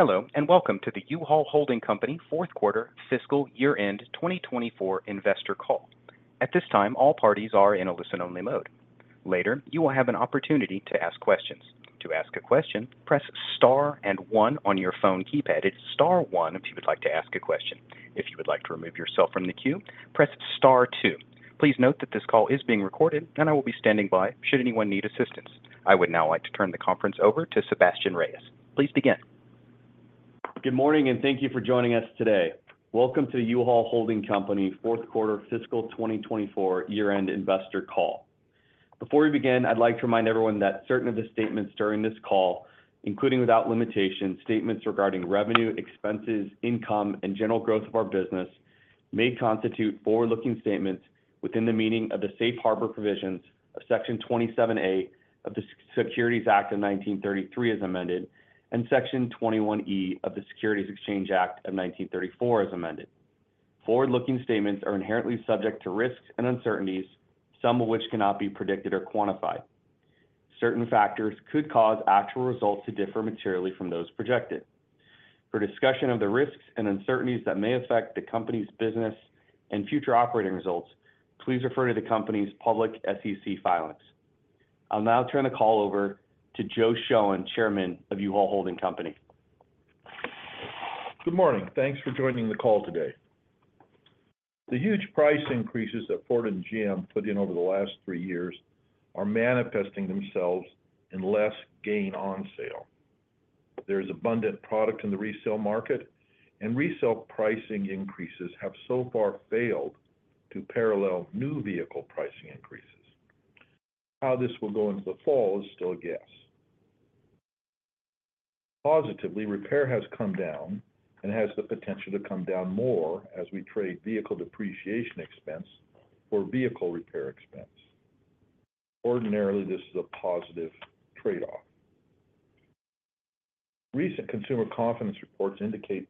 Hello, and welcome to the U-Haul Holding Company fourth quarter fiscal year-end 2024 investor call. At this time, all parties are in a listen-only mode. Later, you will have an opportunity to ask questions. To ask a question, press Star and One on your phone keypad. It's Star One if you would like to ask a question. If you would like to remove yourself from the queue, press Star Two. Please note that this call is being recorded, and I will be standing by should anyone need assistance. I would now like to turn the conference over to Sebastien Reyes. Please begin. Good morning, and thank you for joining us today. Welcome to the U-Haul Holding Company fourth quarter fiscal 2024 year-end investor call. Before we begin, I'd like to remind everyone that certain of the statements during this call, including without limitation, statements regarding revenue, expenses, income, and general growth of our business, may constitute forward-looking statements within the meaning of the safe harbor provisions of Section 27A of the Securities Act of 1933, as amended, and Section 21E of the Securities Exchange Act of 1934, as amended. Forward-looking statements are inherently subject to risks and uncertainties, some of which cannot be predicted or quantified. Certain factors could cause actual results to differ materially from those projected. For discussion of the risks and uncertainties that may affect the company's business and future operating results, please refer to the company's public SEC filings. I'll now turn the call over to Joe Shoen, Chairman of U-Haul Holding Company. Good morning. Thanks for joining the call today. The huge price increases that Ford and GM put in over the last three years are manifesting themselves in less gain on sale. There's abundant product in the resale market, and resale pricing increases have so far failed to parallel new vehicle pricing increases. How this will go into the fall is still a guess. Positively, repair has come down and has the potential to come down more as we trade vehicle depreciation expense for vehicle repair expense. Ordinarily, this is a positive trade-off. Recent consumer confidence reports indicate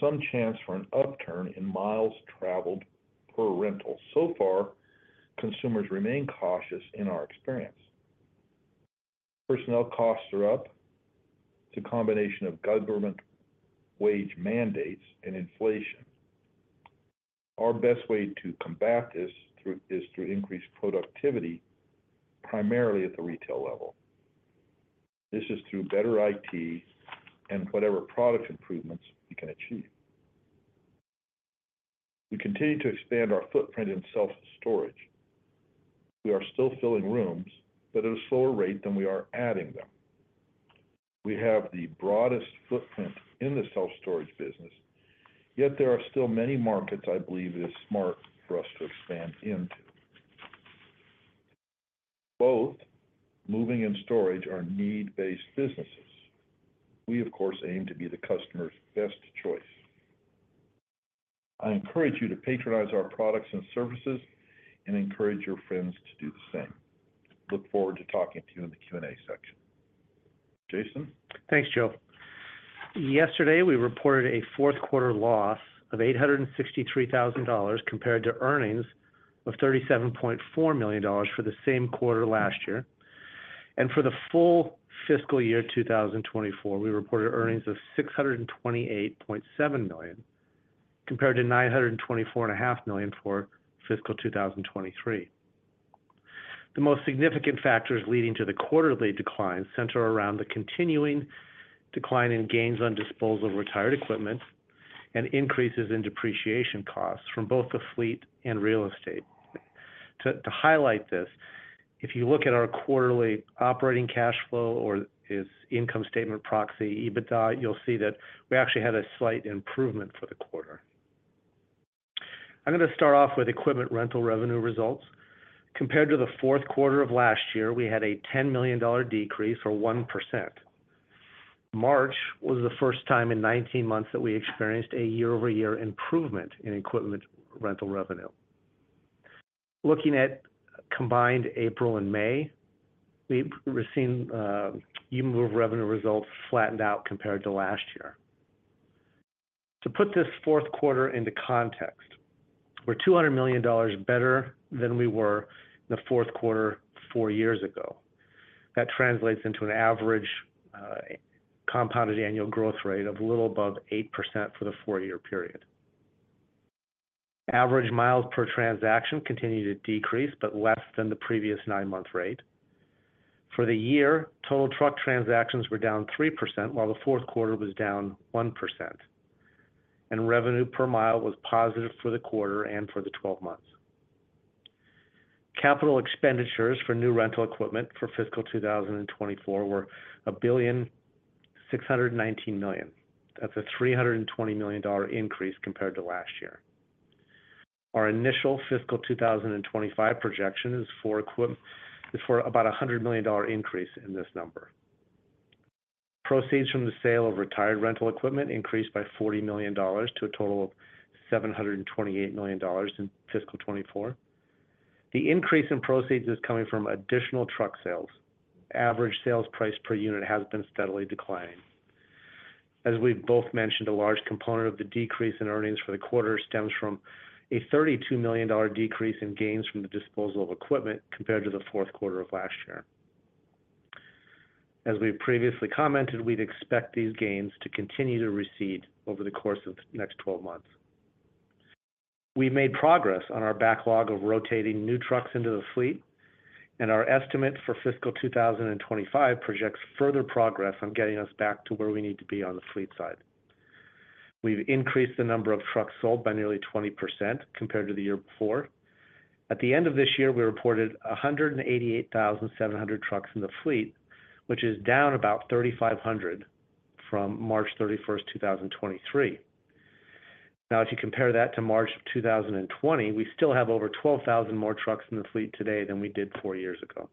some chance for an upturn in miles traveled per rental. So far, consumers remain cautious in our experience. Personnel costs are up. It's a combination of government wage mandates and inflation. Our best way to combat this through is through increased productivity, primarily at the retail level. This is through better IT and whatever product improvements we can achieve. We continue to expand our footprint in self-storage. We are still filling rooms, but at a slower rate than we are adding them. We have the broadest footprint in the self-storage business, yet there are still many markets I believe it is smart for us to expand into. Both moving and storage are need-based businesses. We, of course, aim to be the customer's best choice. I encourage you to patronize our products and services and encourage your friends to do the same. Look forward to talking to you in the Q&A section. Jason? Thanks, Joe. Yesterday, we reported a fourth quarter loss of $863,000, compared to earnings of $37.4 million for the same quarter last year. For the full fiscal year 2024, we reported earnings of $628.7 million, compared to $924.5 million for fiscal 2023. The most significant factors leading to the quarterly decline center around the continuing decline in gains on disposal of retired equipment and increases in depreciation costs from both the fleet and real estate. To highlight this, if you look at our quarterly operating cash flow or its income statement proxy, EBITDA, you'll see that we actually had a slight improvement for the quarter. I'm going to start off with equipment rental revenue results. Compared to the fourth quarter of last year, we had a $10 million decrease, or 1%. March was the first time in 19 months that we experienced a year-over-year improvement in equipment rental revenue. Looking at combined April and May, we've seen year-over-year revenue results flattened out compared to last year. To put this fourth quarter into context, we're $200 million better than we were in the fourth quarter four years ago. That translates into an average compounded annual growth rate of a little above 8% for the 4-year period. Average miles per transaction continued to decrease, but less than the previous 9-month rate. For the year, total truck transactions were down 3%, while the fourth quarter was down 1%, and revenue per mile was positive for the quarter and for the 12 months. Capital expenditures for new rental equipment for fiscal 2024 were $1.619 billion. That's a $320 million increase compared to last year. Our initial fiscal 2025 projection is for about a $100 million increase in this number. Proceeds from the sale of retired rental equipment increased by $40 million, to a total of $728 million in fiscal 2024. The increase in proceeds is coming from additional truck sales. Average sales price per unit has been steadily declining. As we both mentioned, a large component of the decrease in earnings for the quarter stems from a $32 million decrease in gains from the disposal of equipment compared to the fourth quarter of last year. As we've previously commented, we'd expect these gains to continue to recede over the course of the next 12 months. We made progress on our backlog of rotating new trucks into the fleet, and our estimate for fiscal 2025 projects further progress on getting us back to where we need to be on the fleet side. We've increased the number of trucks sold by nearly 20% compared to the year before. At the end of this year, we reported 188,700 trucks in the fleet, which is down about 3,500 from March 31st, 2023. Now, if you compare that to March of 2020, we still have over 12,000 more trucks in the fleet today than we did 4 years ago.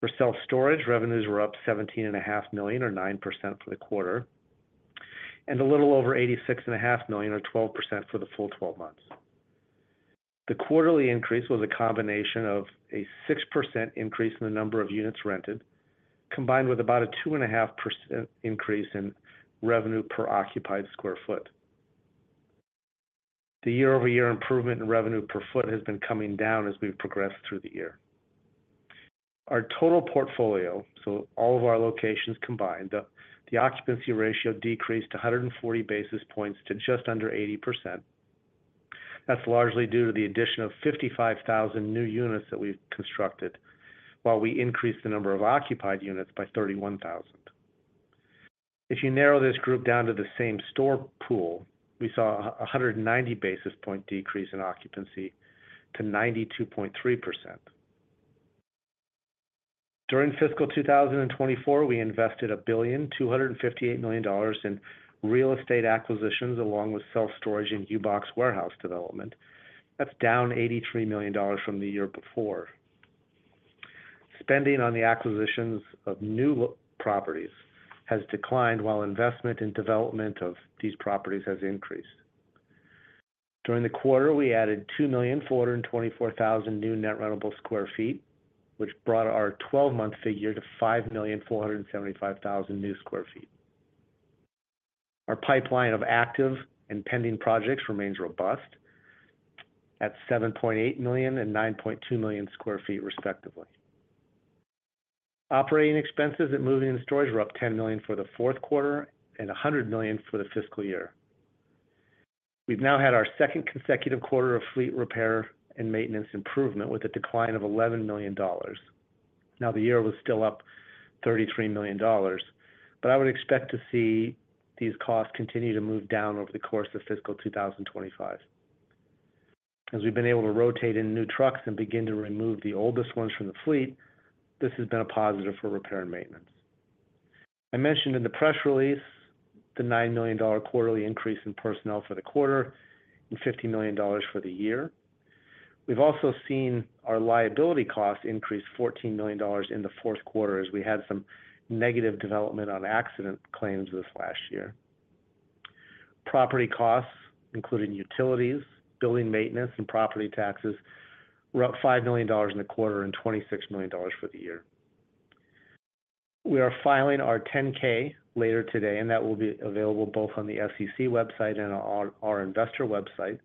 For self-storage, revenues were up $17.5 million, or 9% for the quarter, and a little over $86.5 million, or 12% for the full 12 months. The quarterly increase was a combination of a 6% increase in the number of units rented, combined with about a 2.5% increase in revenue per occupied square foot. The year-over-year improvement in revenue per square foot has been coming down as we've progressed through the year. Our total portfolio, so all of our locations combined, the occupancy ratio decreased 140 basis points to just under 80%. That's largely due to the addition of 55,000 new units that we've constructed, while we increased the number of occupied units by 31,000. If you narrow this group down to the same store pool, we saw a 190 basis point decrease in occupancy to 92.3%. During fiscal 2024, we invested $1.258 billion in real estate acquisitions, along with self-storage and U-Box warehouse development. That's down $83 million from the year before. Spending on the acquisitions of new real properties has declined, while investment in development of these properties has increased. During the quarter, we added 2,424,000 new net rentable sq ft, which brought our 12-month figure to 5,475,000 new square foot. Our pipeline of active and pending projects remains robust at 7.8 million and 9.2 million sq ft, respectively. Operating expenses at Moving and Storage were up $10 million for the fourth quarter and $100 million for the fiscal year. We've now had our second consecutive quarter of fleet repair and maintenance improvement, with a decline of $11 million. Now, the year was still up $33 million, but I would expect to see these costs continue to move down over the course of fiscal 2025. As we've been able to rotate in new trucks and begin to remove the oldest ones from the fleet, this has been a positive for repair and maintenance. I mentioned in the press release the $9 million quarterly increase in personnel for the quarter and $50 million for the year. We've also seen our liability costs increase $14 million in the fourth quarter as we had some negative development on accident claims this last year. Property costs, including utilities, building maintenance, and property taxes, were up $5 million in the quarter and $26 million for the year. We are filing our 10-K later today, and that will be available both on the SEC website and on our investor website.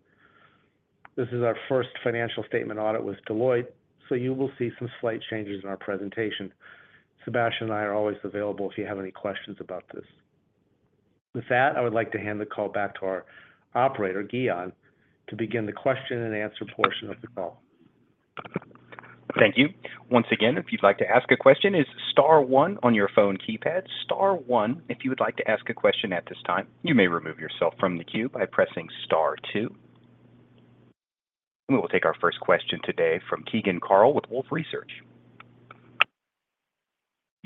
This is our first financial statement audit with Deloitte, so you will see some slight changes in our presentation. Sebastian and I are always available if you have any questions about this. With that, I would like to hand the call back to our operator, Guion, to begin the question-and-answer portion of the call. Thank you. Once again, if you'd like to ask a question, it's star one on your phone keypad. Star one, if you would like to ask a question at this time. You may remove yourself from the queue by pressing star two. We will take our first question today from Keegan Carl with Wolfe Research.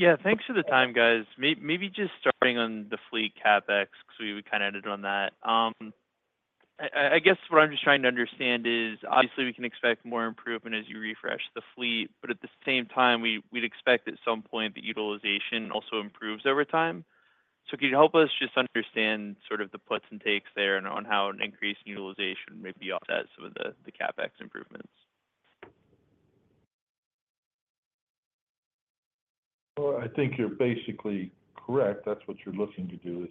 Yeah, thanks for the time, guys. Maybe just starting on the fleet CapEx, because we kind of ended on that. I guess what I'm just trying to understand is, obviously, we can expect more improvement as you refresh the fleet, but at the same time, we'd expect at some point the utilization also improves over time. So could you help us just understand sort of the puts and takes there, and on how an increased utilization may be offset some of the, the CapEx improvements? Well, I think you're basically correct. That's what you're looking to do is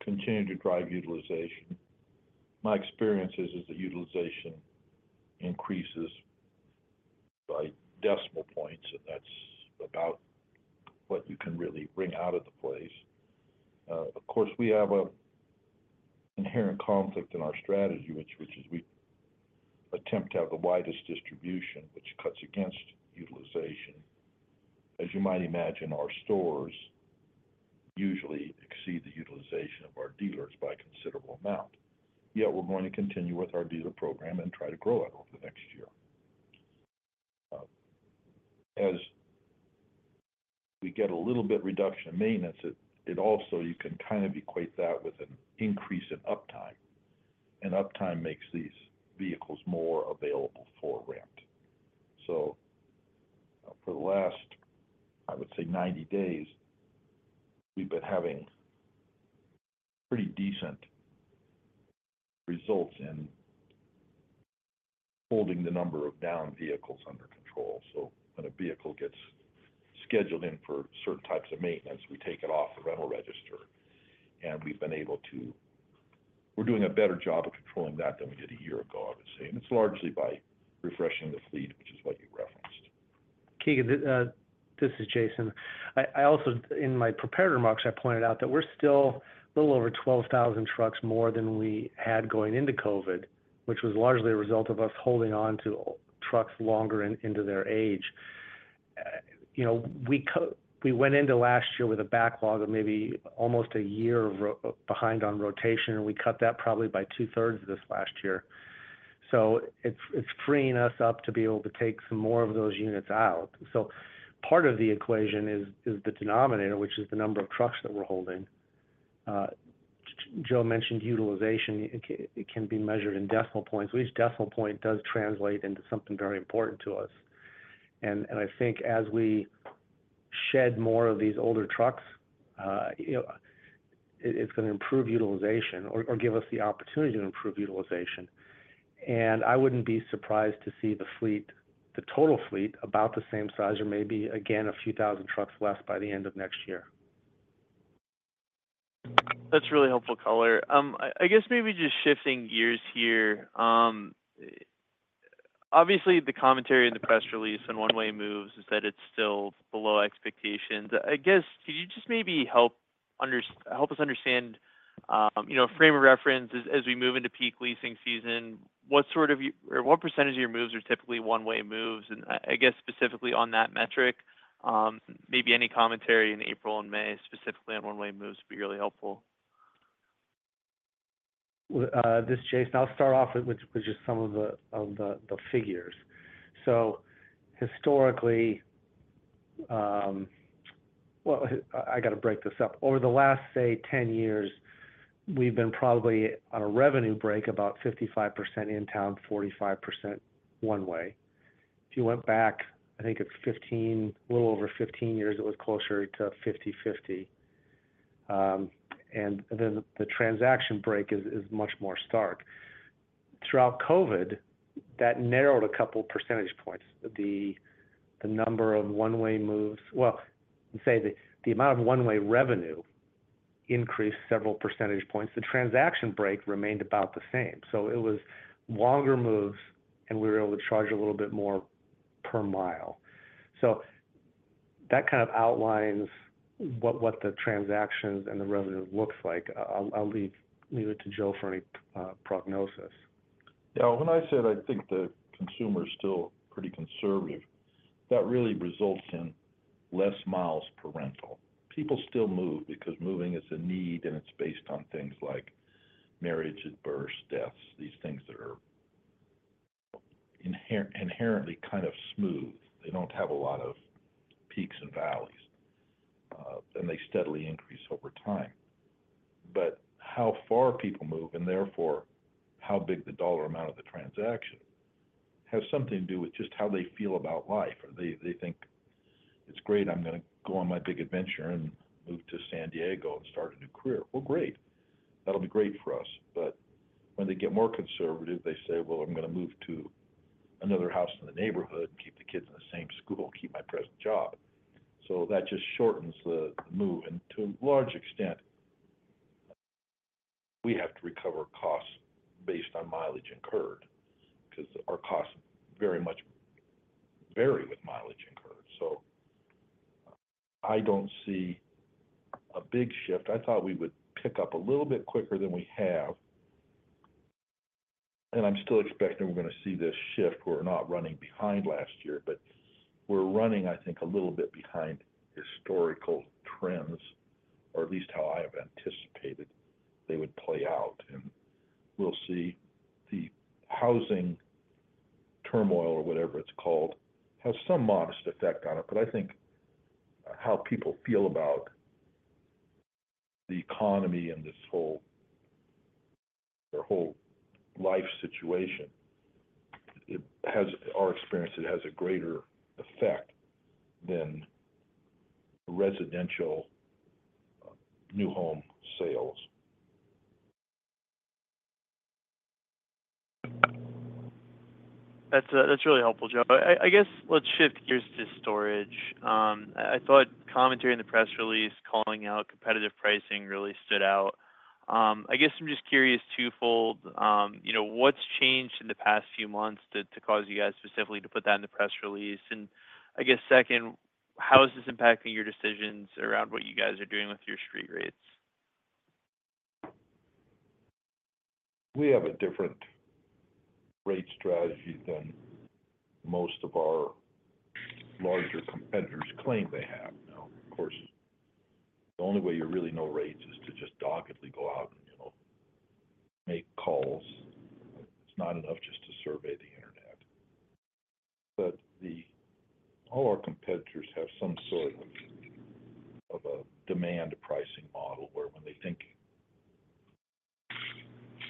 continue to drive utilization. My experience is that utilization increases by decimal points, and that's about what you can really bring out of the place. Of course, we have an inherent conflict in our strategy, which is we attempt to have the widest distribution, which cuts against utilization. As you might imagine, our stores usually exceed the utilization of our dealers by a considerable amount. Yet we're going to continue with our dealer program and try to grow it over the next year. As we get a little bit reduction in maintenance, it also—you can kind of equate that with an increase in uptime, and uptime makes these vehicles more available for rent. So for the last, I would say, 90 days, we've been having pretty decent results in holding the number of down vehicles under control. So when a vehicle gets scheduled in for certain types of maintenance, we take it off the rental register, and we've been able to—we're doing a better job of controlling that than we did a year ago, obviously, and it's largely by refreshing the fleet, which is what you referenced. Keegan, this is Jason. I also, in my prepared remarks, I pointed out that we're still a little over 12,000 trucks, more than we had going into COVID, which was largely a result of us holding on to trucks longer into their age. You know, we went into last year with a backlog of maybe almost a year behind on rotation, and we cut that probably by two-thirds this last year. So it's freeing us up to be able to take some more of those units out. So part of the equation is the denominator, which is the number of trucks that we're holding. Joe mentioned utilization. It can be measured in decimal points. But each decimal point does translate into something very important to us. I think as we shed more of these older trucks, you know, it's gonna improve utilization or give us the opportunity to improve utilization. I wouldn't be surprised to see the fleet, the total fleet, about the same size or maybe, again, a few thousand trucks less by the end of next year. That's really helpful color. I guess maybe just shifting gears here. Obviously, the commentary in the press release and one-way moves is that it's still below expectations. I guess, could you just maybe help us understand, you know, frame of reference as we move into peak leasing season, what sort of or what percentage of your moves are typically one-way moves? And I guess, specifically on that metric, maybe any commentary in April and May, specifically on one-way moves, would be really helpful. Well, this is Jason. I'll start off with just some of the figures. So historically—well, I got to break this up. Over the last, say, 10 years, we've been probably on a revenue break, about 55% in town, 45% one-way. If you went back, I think it's 15, a little over 15 years, it was closer to 50/50. And then the transaction break is much more stark. Throughout COVID, that narrowed a couple percentage points. The number of one-way moves— Well, let's say the amount of one-way revenue increased several percentage points. The transaction break remained about the same. So it was longer moves, and we were able to charge a little bit more per mile. So that kind of outlines what the transactions and the revenue looks like. I'll leave it to Joe for any prognosis. Yeah. When I said I think the consumer is still pretty conservative, that really results in less miles per rental. People still move because moving is a need, and it's based on things like marriage, births, deaths, these things that are inherently kind of smooth. They don't have a lot of peaks and valleys, and they steadily increase over time. But how far people move, and therefore, how big the dollar amount of the transaction, has something to do with just how they feel about life. They, they think: It's great, I'm gonna go on my big adventure and move to San Diego and start a new career. Well, great! That'll be great for us. But when they get more conservative, they say: Well, I'm gonna move to another house in the neighborhood, keep the kids in the same school, and keep my present job. So that just shortens the move, and to a large extent, we have to recover costs based on mileage incurred, because our costs very much vary with mileage incurred. So I don't see a big shift. I thought we would pick up a little bit quicker than we have, and I'm still expecting we're gonna see this shift. We're not running behind last year, but we're running, I think, a little bit behind historical trends, or at least how I have anticipated they would play out. And we'll see the housing turmoil or whatever it's called have some modest effect on it. But I think how people feel about the economy and this whole their whole life situation, it has our experience, it has a greater effect than residential new home sales. That's really helpful, Joe. I guess, let's shift gears to storage. I thought commentary in the press release, calling out competitive pricing really stood out. I guess I'm just curious twofold. You know, what's changed in the past few months to cause you guys specifically to put that in the press release? And I guess second, how is this impacting your decisions around what you guys are doing with your street rates? We have a different rate strategy than most of our larger competitors claim they have. Now, of course, the only way you really know rates is to just doggedly go out and, you know, make calls. It's not enough just to survey the Internet. But all our competitors have some sort of a demand pricing model, where when they think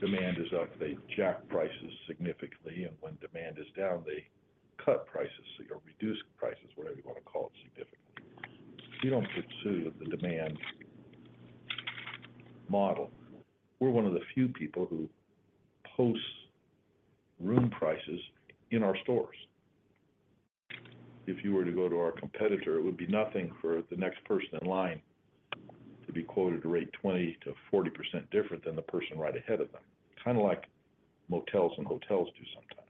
demand is up, they jack prices significantly, and when demand is down, they cut prices or reduce prices, whatever you want to call it, significantly. We don't do the demand model. We're one of the few people who post room prices in our stores. If you were to go to our competitor, it would be nothing for the next person in line to be quoted a rate 20%-40% different than the person right ahead of them—unlike motels and hotels do sometimes.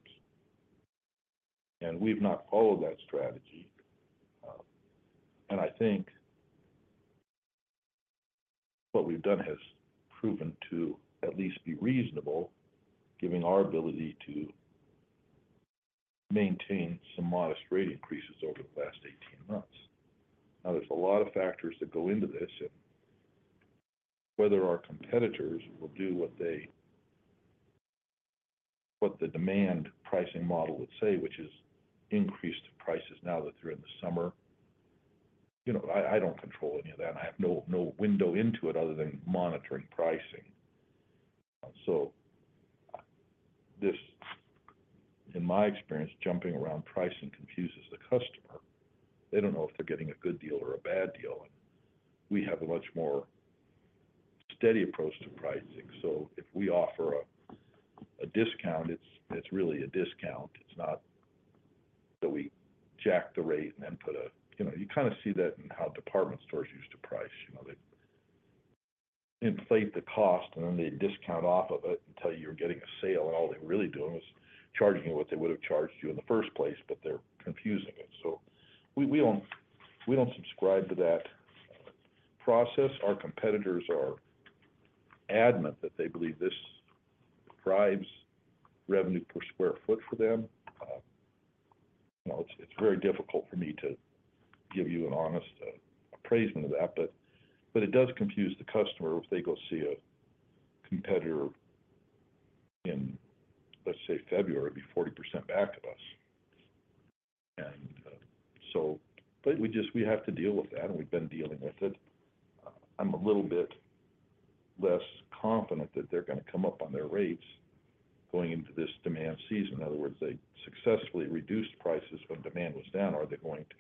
We've not followed that strategy, and I think what we've done has proven to at least be reasonable, given our ability to maintain some modest rate increases over the past 18 months. Now, there's a lot of factors that go into this, and whether our competitors will do what the demand pricing model would say, which is increase the prices now that they're in the summer, you know, I don't control any of that. I have no window into it other than monitoring pricing. So this, in my experience, jumping around pricing confuses the customer. They don't know if they're getting a good deal or a bad deal, and we have a much more steady approach to pricing. So if we offer a discount, it's really a discount. It's not that we jack the rate and then put a—you know, you kinda see that in how department stores used to price. You know, they inflate the cost, and then they discount off of it and tell you you're getting a sale, and all they're really doing is charging you what they would've charged you in the first place, but they're confusing it. So we don't subscribe to that process. Our competitors are adamant that they believe this drives revenue per square foot for them. You know, it's very difficult for me to give you an honest appraisal of that, but it does confuse the customer if they go see a competitor in, let's say, February, be 40% back of us. So we just—we have to deal with that, and we've been dealing with it. I'm a little bit less confident that they're gonna come up on their rates going into this demand season. In other words, they successfully reduced prices when demand was down. Are they going to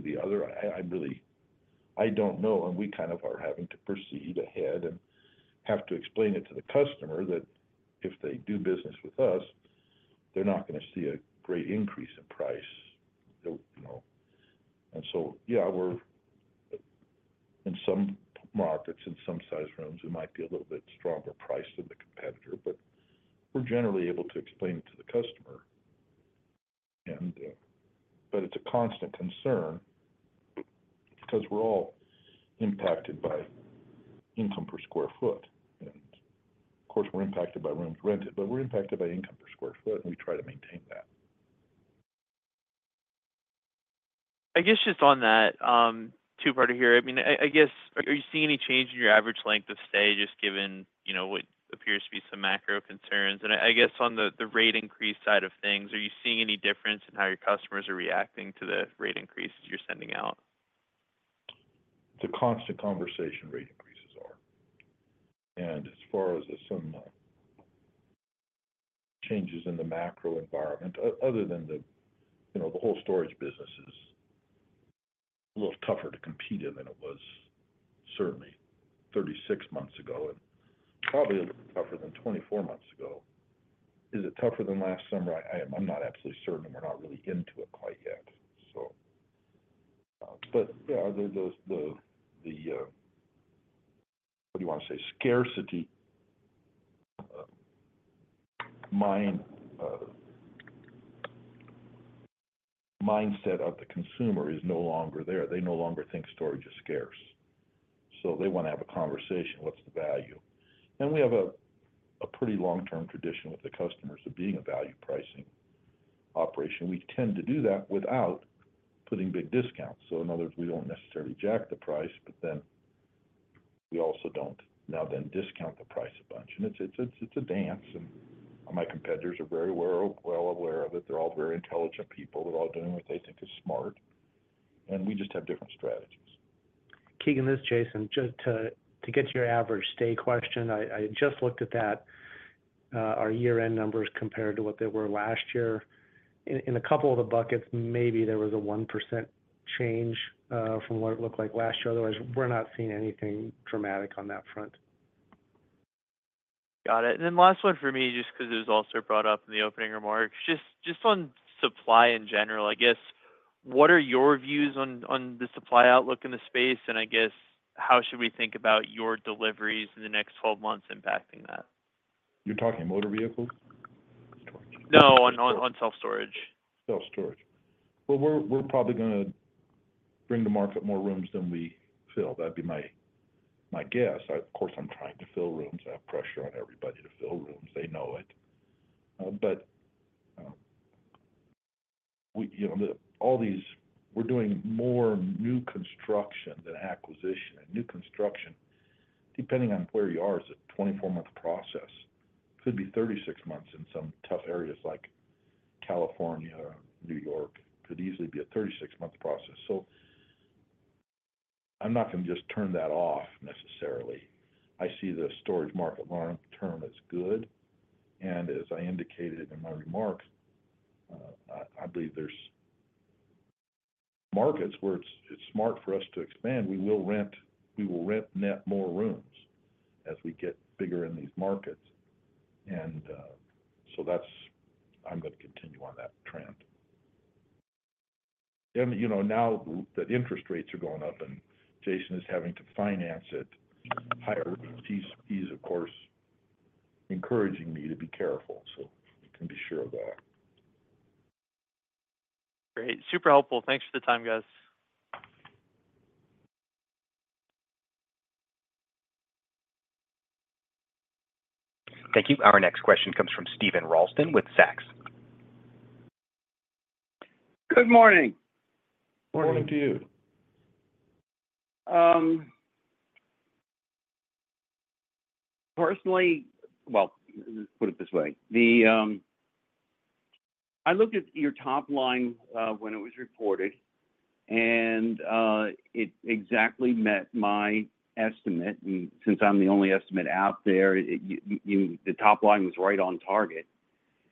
do the other? I really—I don't know, and we kind of are having to proceed ahead and have to explain it to the customer, that if they do business with us, they're not gonna see a great increase in price. They'll, you know—and so, yeah, we're, in some markets, in some sized rooms, we might be a little bit stronger priced than the competitor, but we're generally able to explain it to the customer. And, but it's a constant concern because we're all impacted by income per square foot. And, of course, we're impacted by rooms rented, but we're impacted by income per square foot, and we try to maintain that. I guess just on that, two-parter here, I mean, I guess, are you seeing any change in your average length of stay, just given, you know, what appears to be some macro concerns? And I guess on the rate increase side of things, are you seeing any difference in how your customers are reacting to the rate increases you're sending out? It's a constant conversation, rate increases are. And as far as some changes in the macro environment, other than the, you know, the whole storage business is a little tougher to compete in than it was certainly 36 months ago, and probably a little tougher than 24 months ago. Is it tougher than last summer? I am, I'm not absolutely certain, and we're not really into it quite yet. So—but, yeah, the, the, what do you wanna say? Scarcity mindset of the consumer is no longer there. They no longer think storage is scarce, so they wanna have a conversation: What's the value? And we have a pretty long-term tradition with the customers of being a value pricing operation. We tend to do that without putting big discounts. So in other words, we don't necessarily jack the price, but then we also don't now then discount the price a bunch. And it's a dance, and my competitors are very aware, well aware of it. They're all very intelligent people. They're all doing what they think is smart, and we just have different strategies. Keegan, this is Jason. Just to, to get to your average stay question, I, I just looked at that, our year-end numbers compared to what they were last year. In, in a couple of the buckets, maybe there was a 1% change, from what it looked like last year. Otherwise, we're not seeing anything dramatic on that front. Got it. And then last one for me, just 'cause it was also brought up in the opening remarks, just, just on supply in general, I guess, what are your views on, on the supply outlook in the space? And I guess, how should we think about your deliveries in the next 12 months impacting that? You're talking motor vehicles? No, on self-storage. Self-storage. Well, we're probably gonna bring to market more rooms than we fill. That'd be my guess. Of course, I'm trying to fill rooms. I have pressure on everybody to fill rooms. They know it. But we, you know, we're doing more new construction than acquisition. And new construction, depending on where you are, is a 24-month process. Could be 36 months in some tough areas like California, New York. Could easily be a 36-month process, so I'm not gonna just turn that off necessarily. I see the storage market long term as good, and as I indicated in my remarks, I believe there's markets where it's smart for us to expand, we will rent net more rooms as we get bigger in these markets. And so that's, I'm gonna continue on that trend. You know, now that interest rates are going up and Jason is having to finance it higher, he's of course encouraging me to be careful, so you can be sure of that. Great. Super helpful. Thanks for the time, guys. Thank you. Our next question comes from Steven Ralston with Zacks. Good morning. Morning to you. Personally—Well, let's put it this way: I looked at your top line when it was reported, and it exactly met my estimate. And since I'm the only estimate out there, you—the top line was right on target.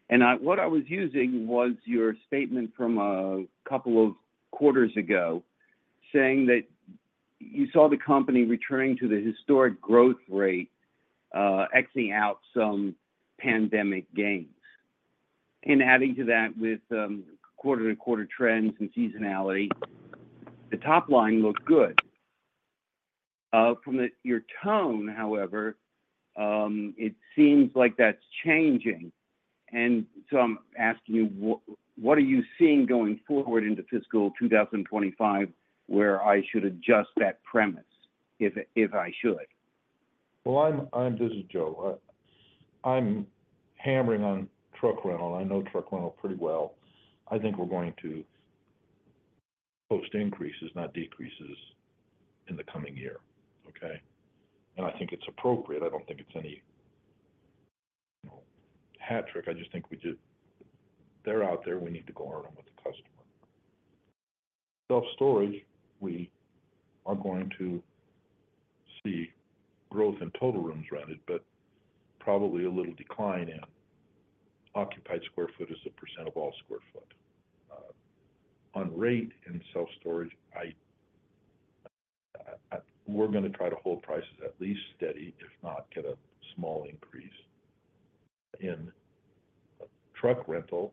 And what I was using was your statement from a couple of quarters ago, saying that you saw the company returning to the historic growth rate, exiting out some pandemic gains. And adding to that with quarter-to-quarter trends and seasonality, the top line looked good. From your tone, however, it seems like that's changing. And so I'm asking you, what are you seeing going forward into fiscal 2025, where I should adjust that premise, if I should? Well, this is Joe. I'm hammering on truck rental. I know truck rental pretty well. I think we're going to post increases, not decreases, in the coming year, okay? And I think it's appropriate. I don't think it's any, you know, hat trick. I just think they're out there, we need to go around with the customer. Self-storage, we are going to see growth in total rooms rented, but probably a little decline in occupied square foot as a percent of all square foot. On rate and self-storage, we're gonna try to hold prices at least steady, if not get a small increase. In truck rental,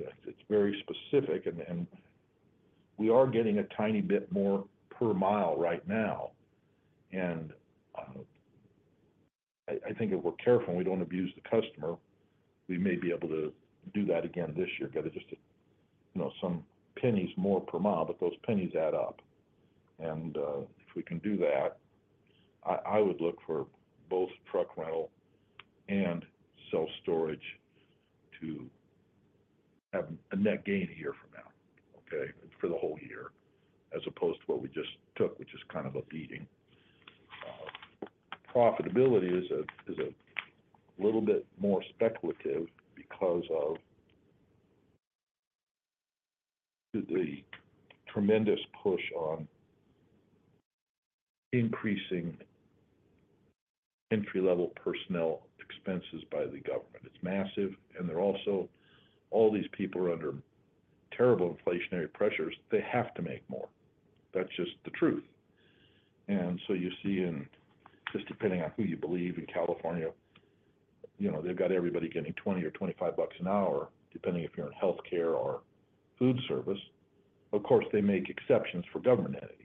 it's very specific, and we are getting a tiny bit more per mile right now. I think if we're careful and we don't abuse the customer, we may be able to do that again this year, get it just to, you know, some pennies more per mile, but those pennies add up. If we can do that, I would look for both truck rental and self-storage to have a net gain a year from now, okay? For the whole year, as opposed to what we just took, which is kind of a beating. Profitability is a little bit more speculative because of the tremendous push on increasing entry-level personnel expenses by the government. It's massive, and they're also—all these people are under terrible inflationary pressures. They have to make more. That's just the truth. And so you see, just depending on who you believe, in California, you know, they've got everybody getting $20 or $25 an hour, depending if you're in healthcare or food service. Of course, they make exceptions for government entities,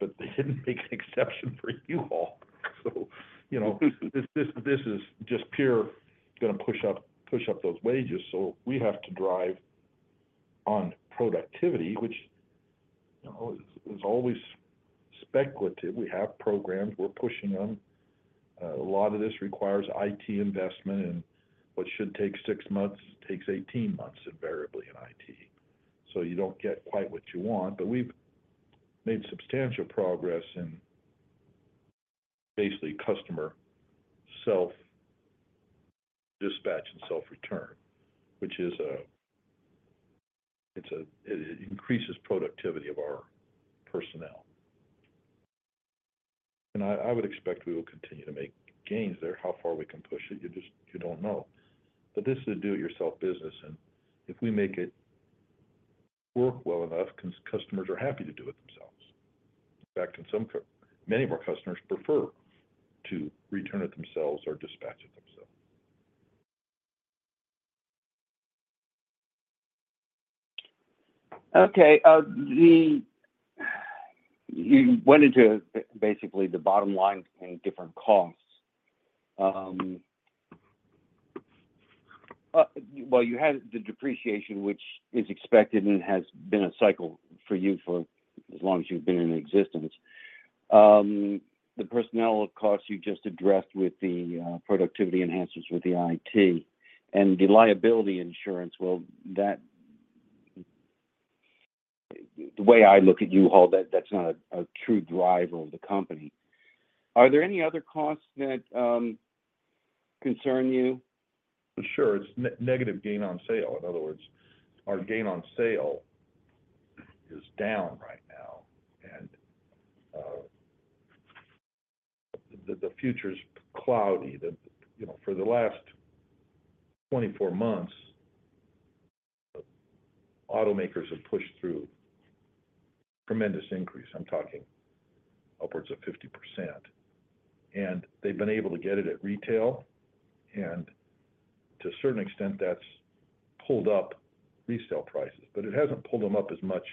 but they didn't make an exception for U-Haul. So, you know, this, this, this is just pure, gonna push up, push up those wages, so we have to drive on productivity, which, you know, is, is always speculative. We have programs, we're pushing them. A lot of this requires IT investment, and what should take 6 months, takes 18 months, invariably in IT. So you don't get quite what you want, but we've made substantial progress in basically customer self-dispatch and self-return, which is a, it's a, it increases productivity of our personnel. And I, I would expect we will continue to make gains there. How far we can push it, you just, you don't know. But this is a do-it-yourself business, and if we make it work well enough, customers are happy to do it themselves. In fact, many of our customers prefer to return it themselves or dispatch it themselves. Okay, you went into basically the bottom line in different costs. Well, you had the depreciation, which is expected and has been a cycle for you for as long as you've been in existence. The personnel costs you just addressed with the productivity enhancers with the IT. And the liability insurance, well, that—the way I look at U-Haul, that's not a true driver of the company. Are there any other costs that concern you? Sure. It's negative gain on sale. In other words, our gain on sale is down right now—the future is cloudy. You know, for the last 24 months, automakers have pushed through tremendous increase. I'm talking upwards of 50%, and they've been able to get it at retail, and to a certain extent, that's pulled up resale prices, but it hasn't pulled them up as much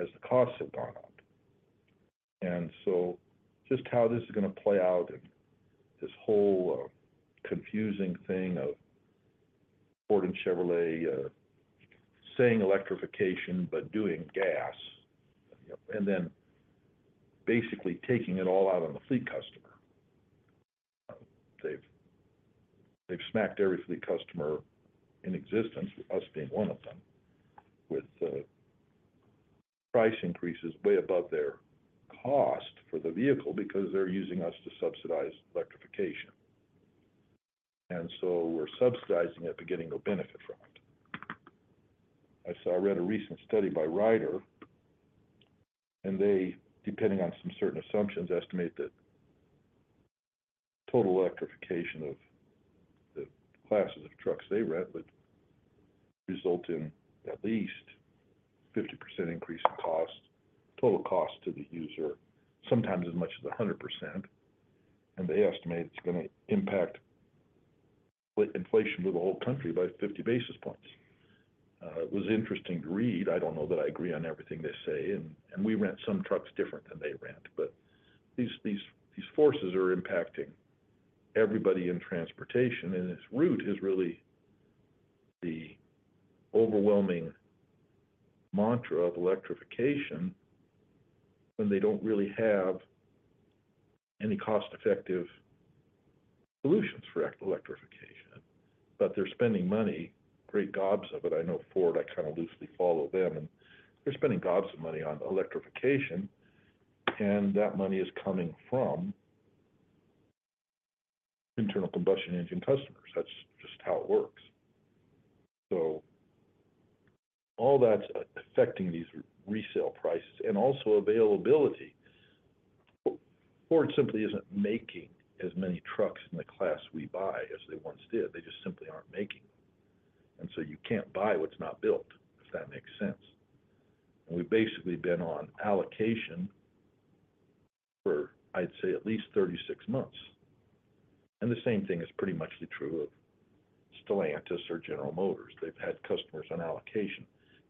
as the costs have gone up. And so just how this is gonna play out and this whole confusing thing of Ford and Chevrolet saying electrification, but doing gas, you know, and then basically taking it all out on the fleet customer. They've smacked every fleet customer in existence, us being one of them, with price increases way above their cost for the vehicle because they're using us to subsidize electrification. So we're subsidizing it, but getting no benefit from it. I read a recent study by Ryder, and they, depending on some certain assumptions, estimate that total electrification of the classes of trucks they rent would result in at least 50% increase in cost, total cost to the user, sometimes as much as 100%. And they estimate it's gonna impact inflation with the whole country by 50 basis points. It was interesting to read. I don't know that I agree on everything they say, and we rent some trucks different than they rent, but these forces are impacting everybody in transportation, and its root is really the overwhelming mantra of electrification, when they don't really have any cost-effective solutions for electrification. But they're spending money, great gobs of it. I know Ford. I kinda loosely follow them, and they're spending gobs of money on electrification, and that money is coming from internal combustion engine customers. That's just how it works. So all that's affecting these resale prices and also availability. Ford simply isn't making as many trucks in the class we buy as they once did. They just simply aren't making them, and so you can't buy what's not built, if that makes sense. And we've basically been on allocation for, I'd say, at least 36 months. And the same thing is pretty much true of Stellantis or General Motors. They've had customers on allocation.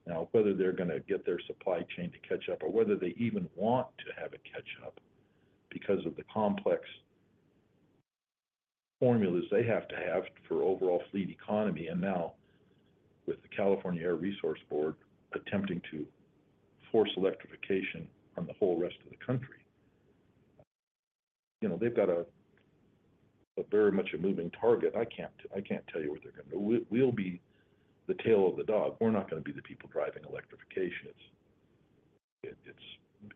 Now, whether they're gonna get their supply chain to catch up, or whether they even want to have it catch up because of the complex formulas they have to have for overall fleet economy, and now with the California Air Resources Board attempting to force electrification on the whole rest of the country, you know, they've got a very much a moving target. I can't, I can't tell you what they're gonna do. We, we'll be the tail of the dog. We're not gonna be the people driving electrification. It's, it, it's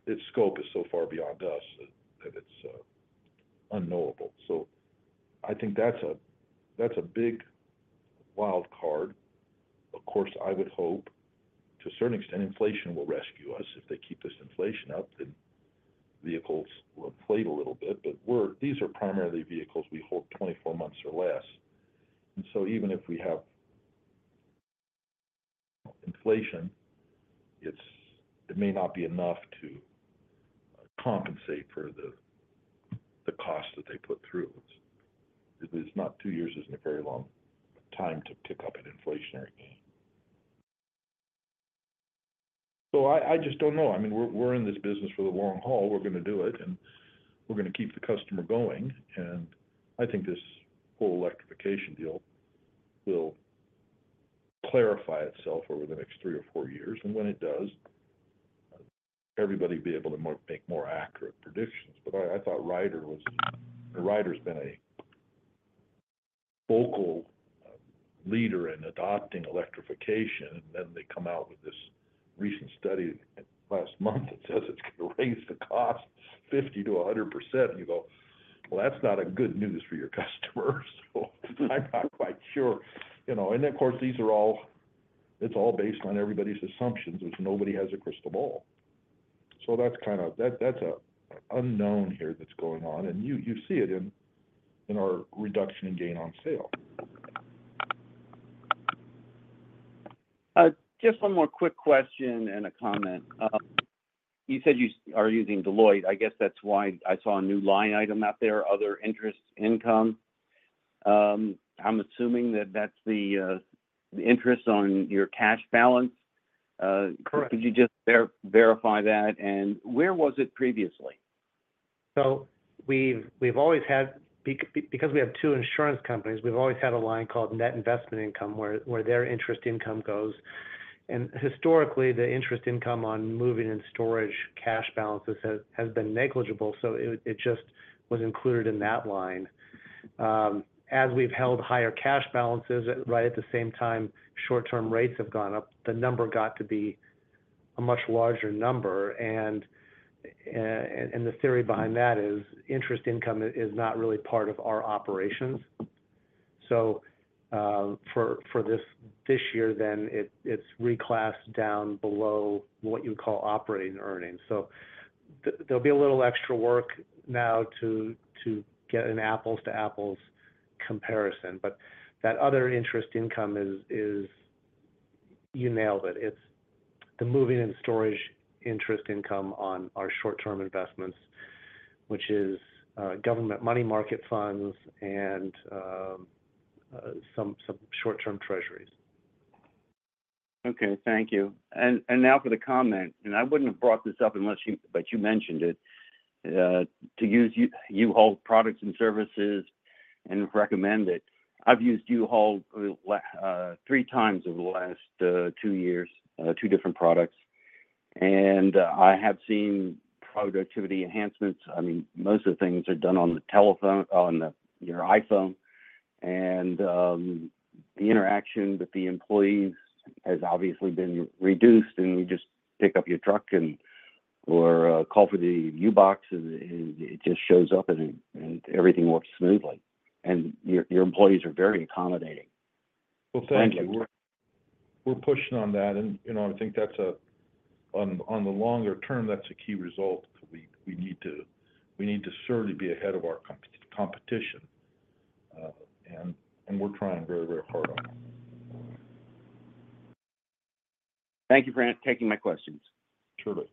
its scope is so far beyond us that, that it's unknowable. So I think that's a, that's a big wild card. Of course, I would hope, to a certain extent, inflation will rescue us. If they keep this inflation up, then vehicles will inflate a little bit, but these are primarily vehicles we hold 24 months or less, and so even if we have inflation, it's. It may not be enough to compensate for the cost that they put through. It's not. Two years isn't a very long time to pick up an inflationary gain. So I just don't know. I mean, we're in this business for the long haul. We're gonna do it, and we're gonna keep the customer going, and I think this whole electrification deal will clarify itself over the next 3 or 4 years, and when it does, everybody will be able to make more accurate predictions. But I, I thought Ryder's been a vocal leader in adopting electrification, and then they come out with this recent study last month that says it's gonna raise the cost 50%-100%. And you go, "Well, that's not a good news for your customers." So I'm not quite sure. You know, and of course, these are all—it's all based on everybody's assumptions, which nobody has a crystal ball. So that's kind of—that, that's a unknown here that's going on, and you, you see it in our reduction in gain on sale. Just one more quick question and a comment. You said you are using Deloitte. I guess that's why I saw a new line item out there, other interest income. I'm assuming that that's the interest on your cash balance. Correct. Could you just verify that, and where was it previously? So we've always had. Because we have two insurance companies, we've always had a line called net investment income, where their interest income goes, and historically, the interest income on moving and storage cash balances has been negligible, so it just was included in that line. As we've held higher cash balances, right at the same time, short-term rates have gone up. The number got to be a much larger number, and the theory behind that is, interest income is not really part of our operations. So, for this year, then it's reclassed down below what you would call operating earnings. So there'll be a little extra work now to get an apples to apples comparison. But that other interest income is, you nailed it. It's the moving and storage interest income on our short-term investments, which is government money market funds and some short-term treasuries. Okay, thank you. Now for the comment, and I wouldn't have brought this up unless you, but you mentioned it, to use U-Haul products and services and recommend it. I've used U-Haul three times over the last two years, two different products, and I have seen productivity enhancements. I mean, most of the things are done on the telephone, on your iPhone, and the interaction with the employees has obviously been reduced, and you just pick up your truck and or call for the U-Box, and it just shows up and everything works smoothly. And your employees are very accommodating. Well, thank you. We're pushing on that, and, you know, I think that's a key result on the longer term. We need to certainly be ahead of our competition, and we're trying very, very hard on it. Thank you for taking my questions. Truly.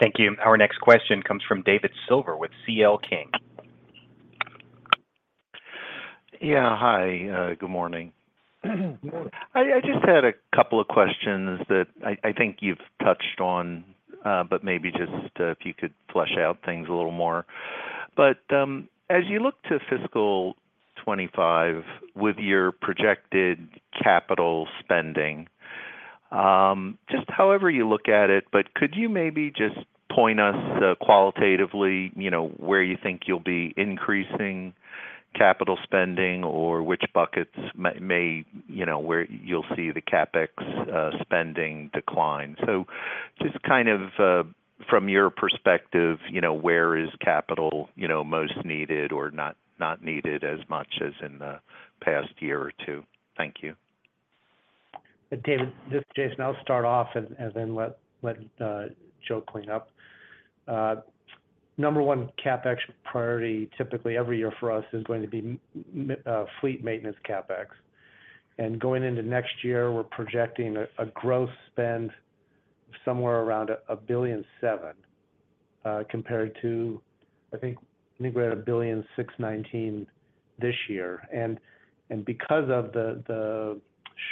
Thank you. Our next question comes from David Silver with C.L. King. Yeah, hi. Good morning. Good morning. I just had a couple of questions that I think you've touched on, but maybe just, if you could flesh out things a little more. But, as you look to fiscal 25 with your projected capital spending, just however you look at it, but could you maybe just point us, qualitatively, you know, where you think you'll be increasing capital spending or which buckets may, you know, where you'll see the CapEx, spending decline? So just kind of, from your perspective, you know, where is capital, you know, most needed or not, not needed as much as in the past year or two? Thank you. David, this is Jason. I'll start off and then let Joe clean up. Number one, CapEx priority, typically every year for us is going to be fleet maintenance CapEx. And going into next year, we're projecting a growth spend somewhere around $1.007 billion compared to, I think we had $1.619 billion this year. And because of the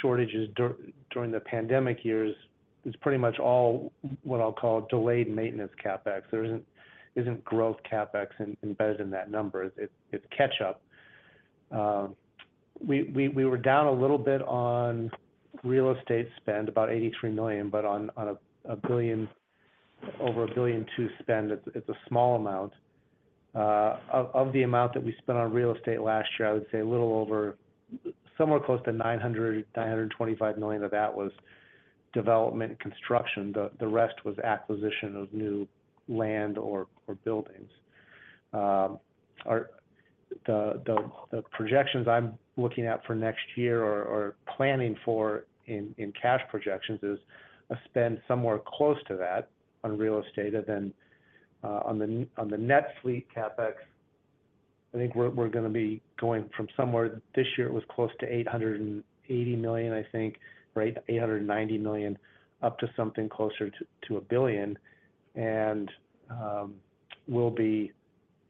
shortages during the pandemic years, it's pretty much all, what I'll call it, delayed maintenance CapEx. There isn't growth CapEx embedded in that number. It's catch up. We were down a little bit on real estate spend, about $83 million, but on a billion, over $1.2 billion spend, it's a small amount. Of the amount that we spent on real estate last year, I would say a little over somewhere close to $925 million of that was development construction. The rest was acquisition of new land or buildings. The projections I'm looking at for next year or planning for in cash projections is a spend somewhere close to that on real estate. And then, on the net fleet CapEx, I think we're gonna be going from somewhere; this year, it was close to $890 million, I think, right? Up to something closer to $1 billion. And we'll be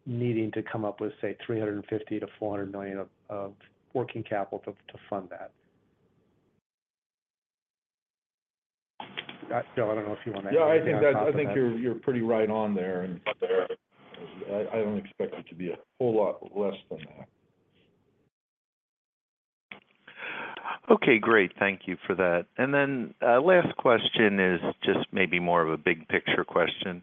needing to come up with, say, $350 million-$400 million of working capital to fund that. Joe, I don't know if you want to- Yeah, I think you're pretty right on there, and I don't expect it to be a whole lot less than that. Okay, great. Thank you for that. And then last question is just maybe more of a big picture question.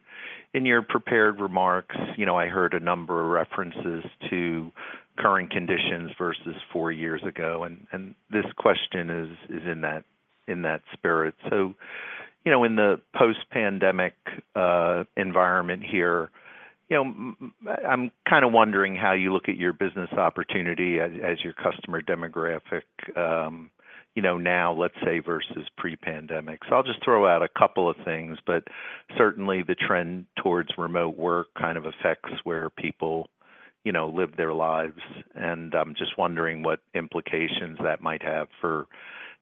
In your prepared remarks, you know, I heard a number of references to current conditions versus four years ago, and, and this question is, is in that, in that spirit. So, you know, in the post-pandemic environment here, you know, I'm kinda wondering how you look at your business opportunity as, as your customer demographic, you know, now, let's say, versus pre-pandemic. So I'll just throw out a couple of things, but certainly the trend towards remote work kind of affects where people, you know, live their lives. And I'm just wondering what implications that might have for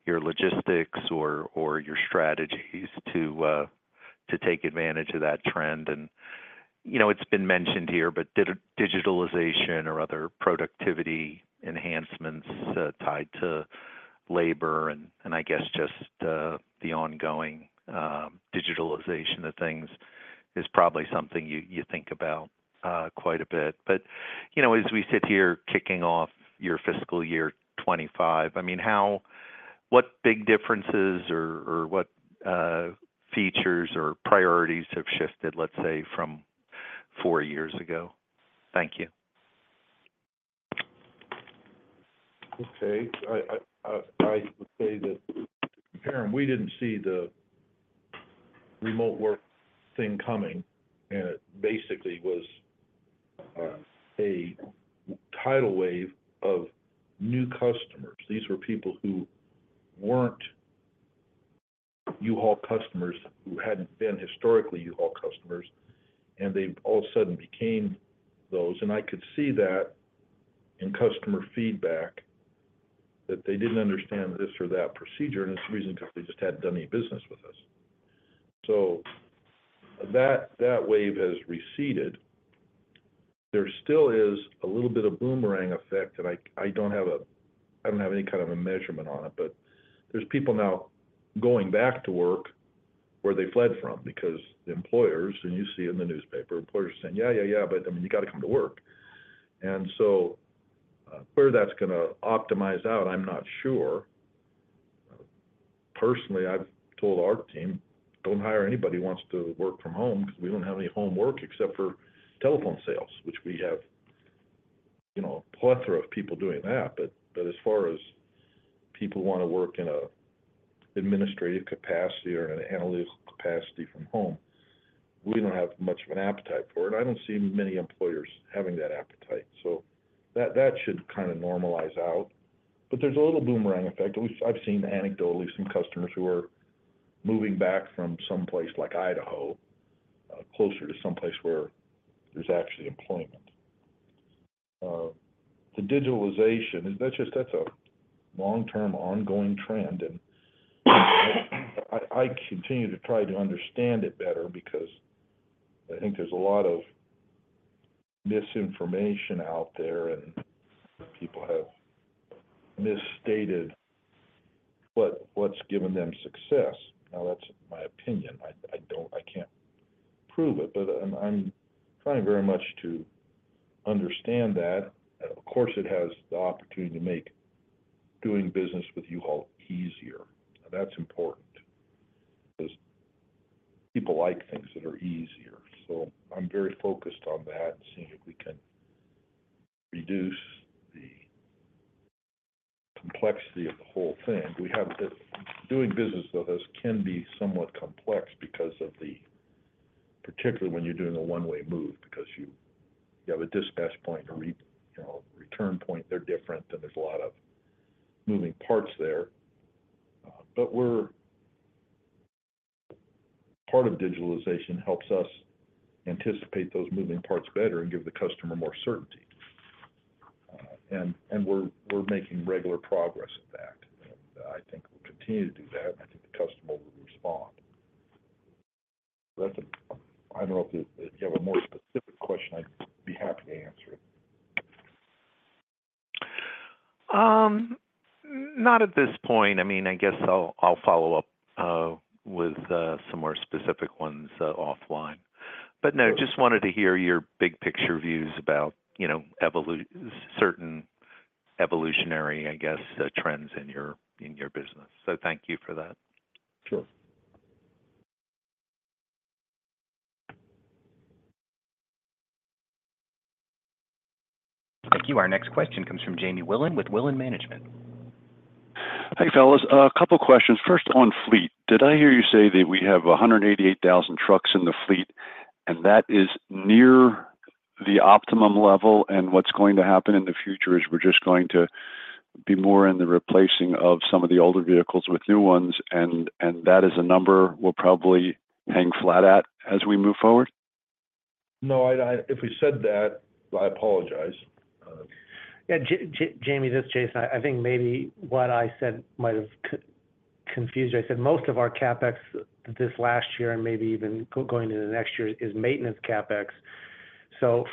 your logistics or, or your strategies to, to take advantage of that trend. You know, it's been mentioned here, but digitalization or other productivity enhancements tied to labor, and, and I guess just, the ongoing, digitalization of things is probably something you, you think about, quite a bit. But, you know, as we sit here kicking off your fiscal year 25, I mean, what big differences or, or what, features or priorities have shifted, let's say, from four years ago? Thank you. Okay. I would say that comparing, we didn't see the remote work thing coming, and it basically was a tidal wave of new customers. These were people who weren't U-Haul customers, who hadn't been historically U-Haul customers, and they all of a sudden became those. And I could see that in customer feedback, that they didn't understand this or that procedure, and it's the reason because they just hadn't done any business with us. So that wave has receded. There still is a little bit of boomerang effect, and I don't have any kind of a measurement on it, but there's people now going back to work where they fled from because the employers, and you see in the newspaper, employers are saying, "Yeah, yeah, yeah, but, I mean, you gotta come to work." And so, where that's gonna optimize out, I'm not sure. Personally, I've told our team, "Don't hire anybody who wants to work from home," because we don't have any home work except for telephone sales, which we have, you know, a plethora of people doing that. But as far as people wanna work in a administrative capacity or an analytical capacity from home, we don't have much of an appetite for it. I don't see many employers having that appetite, so that should kind of normalize out. But there's a little boomerang effect. At least I've seen anecdotally some customers who are moving back from some place like Idaho closer to some place where there's actually employment. The digitalization, that's just that's a long-term, ongoing trend, and I continue to try to understand it better because I think there's a lot of misinformation out there, and people have misstated what's given them success. Now, that's my opinion. I don't, I can't prove it, but I'm trying very much to understand that. And of course, it has the opportunity to make doing business with U-Haul easier, and that's important because people like things that are easier. So I'm very focused on that and seeing if we can reduce the complexity of the whole thing. Doing business with us can be somewhat complex because of the, particularly when you're doing a one-way move, because you have a dispatch point and, you know, return point; they're different, and there's a lot of moving parts there. But part of digitalization helps us anticipate those moving parts better and give the customer more certainty. And we're making regular progress with that. And I think we'll continue to do that, and I think the customer will respond. That's a. I don't know if you have a more specific question; I'd be happy to answer it. Not at this point. I mean, I guess I'll follow up with some more specific ones offline. But no, just wanted to hear your big picture views about, you know, certain evolutionary, I guess, trends in your business. So thank you for that. Sure. Thank you. Our next question comes from Jamie Wilen with Wilen Management. Hey, fellas. A couple questions. First, on fleet, did I hear you say that we have 188,000 trucks in the fleet, and that is near the optimum level, and what's going to happen in the future is we're just going to be more in the replacing of some of the older vehicles with new ones, and, and that is a number we'll probably hang flat at as we move forward? No. If we said that, I apologize. Yeah, Jim, this is Jason. I think maybe what I said might have confused you. I said most of our CapEx this last year, and maybe even going into the next year, is maintenance CapEx. So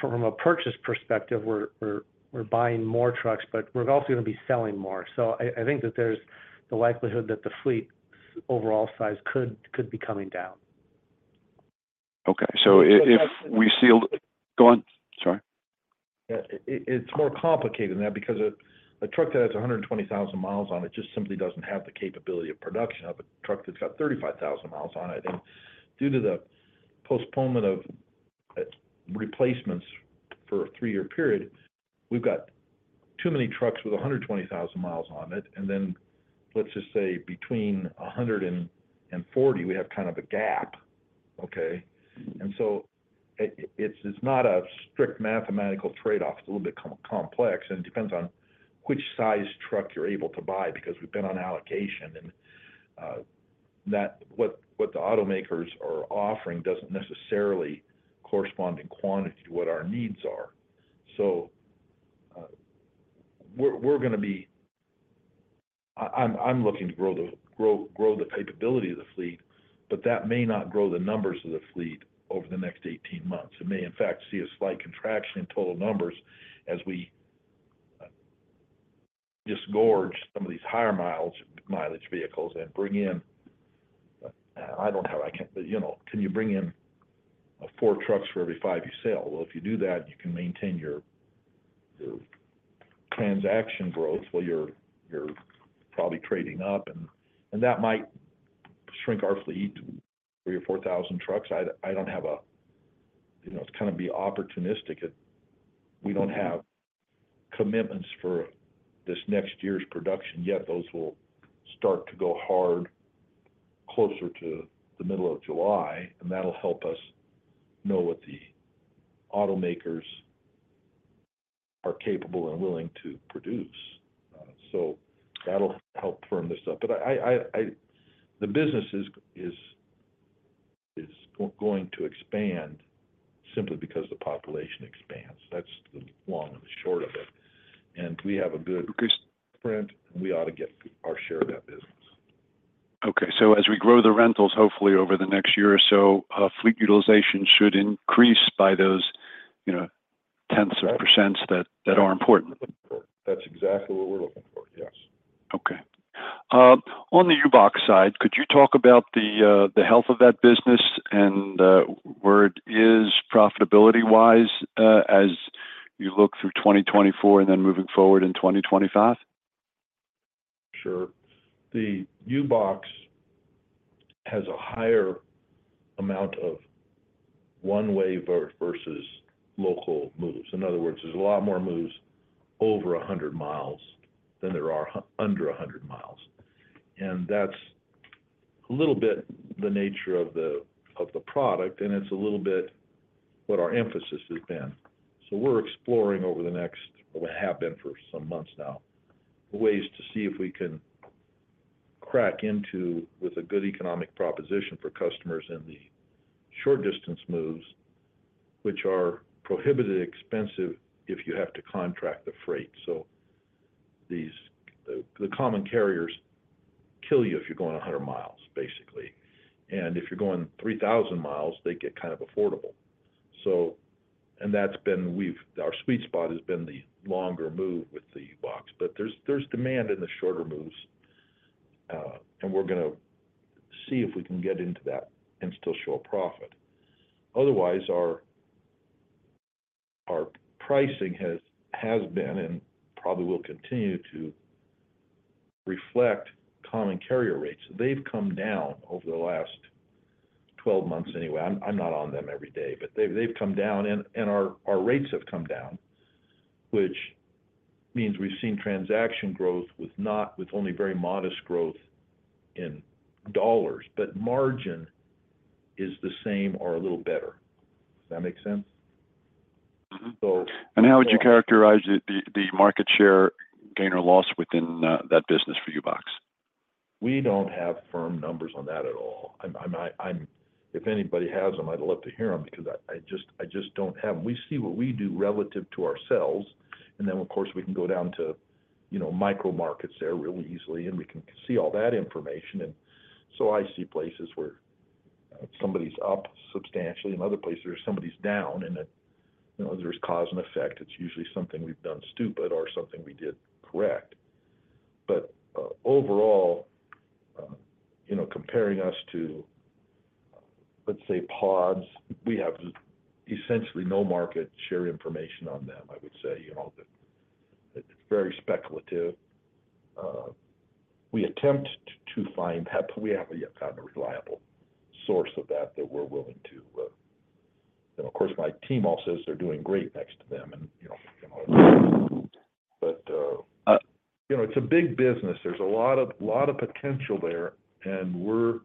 from a purchase perspective, we're buying more trucks, but we're also gonna be selling more. So I think that there's the likelihood that the fleet's overall size could be coming down. Okay. So if we see. But that's. Go on. Sorry. Yeah. It's more complicated than that because a truck that has 120,000 mi on it just simply doesn't have the capability of production of a truck that's got 35,000 mi on it. And due to the postponement of replacements for a three-year period, we've got too many trucks with 120,000 mi on it, and then, let's just say between 100 and 140, we have kind of a gap, okay? And so it's not a strict mathematical trade-off. It's a little bit complex, and it depends on which size truck you're able to buy, because we've been on allocation, and that—what the automakers are offering doesn't necessarily correspond in quantity to what our needs are. So, we're gonna be—I'm looking to grow the capability of the fleet, but that may not grow the numbers of the fleet over the next 18 months. It may, in fact, see a slight contraction in total numbers as we disgorge some of these higher mileage vehicles and bring in. I don't have. I can't, you know, can you bring in 4 trucks for every 5 you sell? Well, if you do that, you can maintain your transaction growth. Well, you're probably trading up, and that might shrink our fleet to 3,000 or 4,000 trucks. I don't have a—you know, it's kinda be opportunistic. If we don't have commitments for this next year's production, yet those will start to go hard closer to the middle of July, and that'll help us know what the automakers are capable and willing to produce. So that'll help firm this up. But the business is going to expand simply because the population expands. That's the long and short of it, and we have a good increased print, and we ought to get our share of that business. Okay. So as we grow the rentals, hopefully over the next year or so, fleet utilization should increase by those, you know, tenths of percent that are important. That's exactly what we're looking for. Yes. Okay. On the U-Box side, could you talk about the health of that business and where it is profitability-wise, as you look through 2024 and then moving forward in 2025? Sure. The U-Box has a higher amount of one-way versus local moves. In other words, there's a lot more moves over 100 mi than there are under 100 mi. And that's a little bit the nature of the, of the product, and it's a little bit what our emphasis has been. So we're exploring over the next, or have been for some months now, ways to see if we can crack into with a good economic proposition for customers in the short-distance moves, which are prohibitively expensive if you have to contract the freight. So these, the common carriers kill you if you're going 100 mi, basically. And if you're going 3,000 mi, they get kind of affordable. So, that's been our sweet spot has been the longer move with the U-Box, but there's demand in the shorter moves, and we're gonna see if we can get into that and still show a profit. Otherwise, our pricing has been, and probably will continue to reflect common carrier rates. They've come down over the last 12 months anyway. I'm not on them every day, but they've come down, and our rates have come down, which means we've seen transaction growth with only very modest growth in dollars, but margin is the same or a little better. Does that make sense? Mm-hmm. So. How would you characterize the market share gain or loss within that business for U-Box? We don't have firm numbers on that at all. I'm. If anybody has them, I'd love to hear them because I just don't have them. We see what we do relative to ourselves, and then, of course, we can go down to, you know, micro markets there really easily, and we can see all that information. And so I see places where somebody's up substantially, and other places, somebody's down, and it, you know, there's cause and effect. It's usually something we've done stupid or something we did correct. But, overall, you know, comparing us to, let's say, PODS, we have essentially no market share information on them, I would say. You know, that it's very speculative. We attempt to find PEP. We have yet found a reliable source of that that we're willing to. Of course, my team all says they're doing great next to them, and, you know, but, you know, it's a big business. There's a lot of potential there, and we're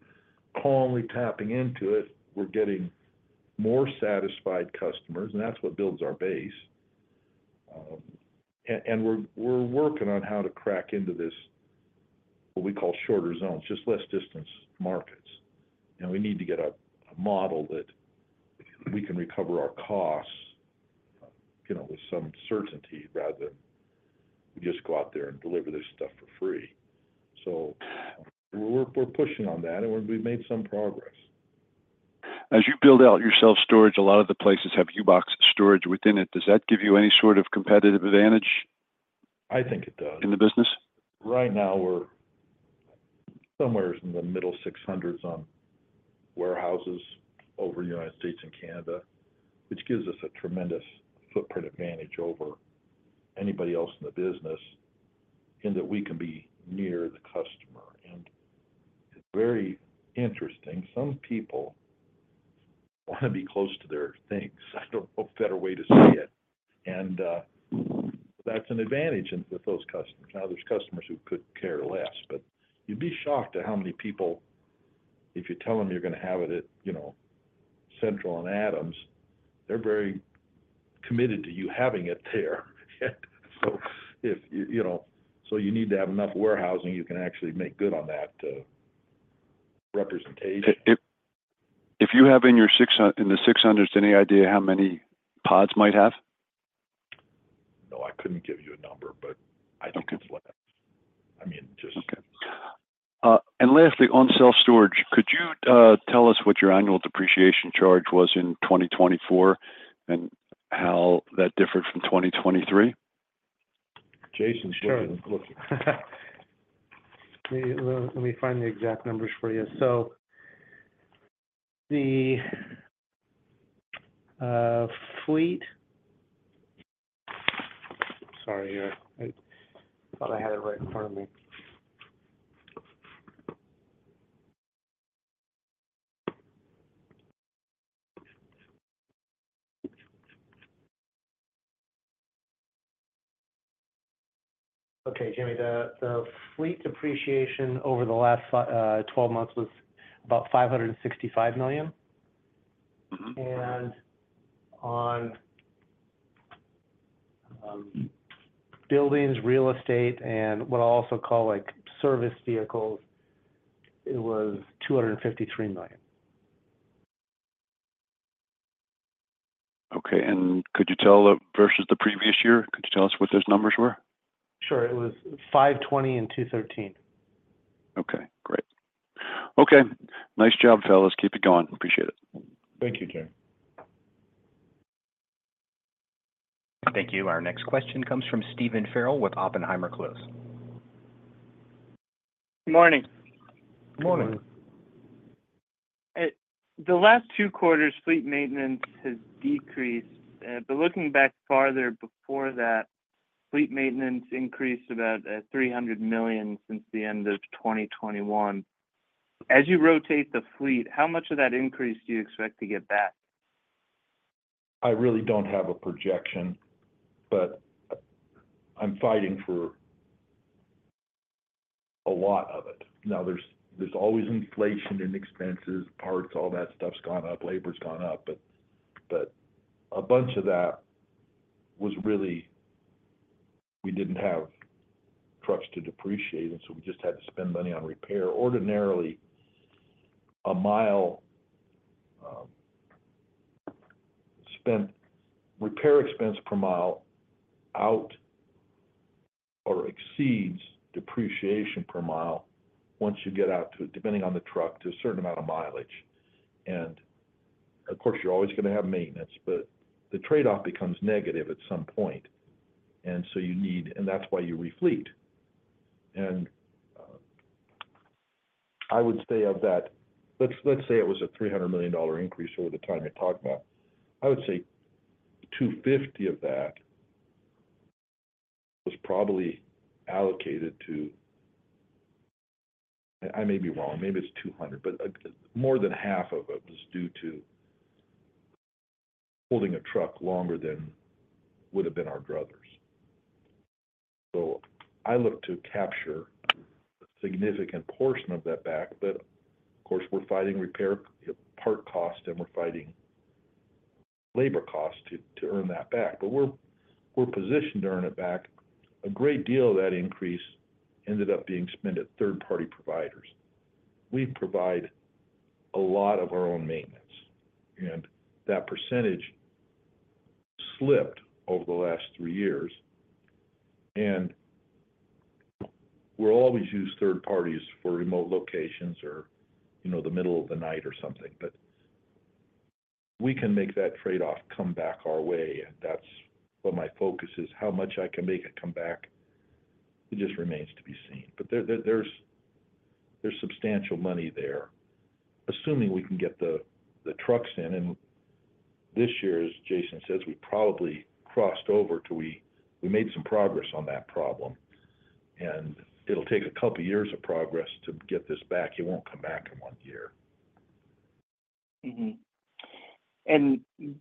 calmly tapping into it. We're getting more satisfied customers, and that's what builds our base. And we're working on how to crack into this, what we call shorter zones, just less distance markets. We need to get a model that we can recover our costs, you know, with some certainty, rather than we just go out there and deliver this stuff for free. So we're pushing on that, and we've made some progress. As you build out your self storage, a lot of the places have U-Box storage within it. Does that give you any sort of competitive advantage? I think it does. In the business? Right now, we're somewhere in the mid-600s on warehouses over the United States and Canada, which gives us a tremendous footprint advantage over anybody else in the business, in that we can be near the customer. It's very interesting. Some people wanna be close to their things. I don't know a better way to say it, and that's an advantage with those customers. Now, there's customers who could care less, but you'd be shocked at how many people, if you tell them you're gonna have it at, you know, Central and Adams, they're very committed to you having it there. So you know, you need to have enough warehousing, you can actually make good on that representation. If you have in your 600s, any idea how many PODS might have? No, I couldn't give you a number, but. Okay I think it's less. I mean, just. Okay. And lastly, on self-storage, could you tell us what your annual depreciation charge was in 2024, and how that differed from 2023? Jason's looking. Let me, let me find the exact numbers for you. So the fleet—sorry, I thought I had it right in front of me. Okay, Jamie, the fleet depreciation over the last 12 months was about $565 million. Mm-hmm. On buildings, real estate, and what I'll also call, like, service vehicles, it was $253 million. Okay. And could you tell, versus the previous year, could you tell us what those numbers were? Sure. It was 5:20 and 2:13. Okay, great. Okay, nice job, fellas. Keep it going. Appreciate it. Thank you, Jamie. Thank you. Our next question comes from Stephen Farrell with Oppenheimer. Good morning. Morning. Morning. The last two quarters, fleet maintenance has decreased, but looking back farther before that, fleet maintenance increased about $300 million since the end of 2021. As you rotate the fleet, how much of that increase do you expect to get back? I really don't have a projection, but I'm fighting for a lot of it. Now, there's always inflation and expenses, parts, all that stuff's gone up, labor's gone up, but a bunch of that was really, we didn't have trucks to depreciate, and so we just had to spend money on repair. Ordinarily, repair expense per mile often exceeds depreciation per mile once you get out to, depending on the truck, to a certain amount of mileage. And, of course, you're always gonna have maintenance, but the trade-off becomes negative at some point, and that's why you refleet. And, I would say of that, let's say it was a $300 million increase over the time you talked about. I would say $250 of that was probably allocated to. I may be wrong, maybe it's 200, but more than half of it was due to holding a truck longer than would have been our druthers. So I look to capture a significant portion of that back, but, of course, we're fighting repair, part cost, and we're fighting labor cost to earn that back. But we're positioned to earn it back. A great deal of that increase ended up being spent at third-party providers. We provide a lot of our own maintenance, and that percentage slipped over the last three years. We'll always use third parties for remote locations or, you know, the middle of the night or something, but we can make that trade-off come back our way, and that's what my focus is. How much I can make it come back, it just remains to be seen. But there, there's substantial money there, assuming we can get the trucks in. This year, as Jason says, we probably crossed over till we made some progress on that problem, and it'll take a couple of years of progress to get this back. It won't come back in one year. Mm-hmm.